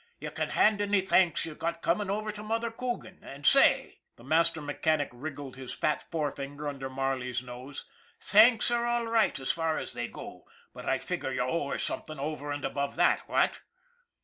" You can hand any thanks you've got coming over to Mother Coogan. And say " the master mechanic wriggled his fat forefinger under Marley's nose " thanks are all right as far as they go, but I figure you owe her something over and above that, what